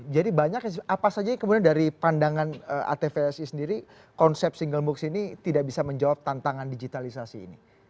jadi banyak apa saja kemudian dari pandangan atvsi sendiri konsep single moocs ini tidak bisa menjawab tantangan digitalisasi ini